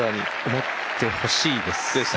思ってほしいです。